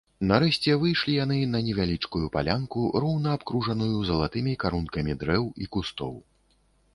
Нарэшце выйшлі яны на невялічкую палянку, роўна абкружаную залатымі карункамі дрэў і кустоў.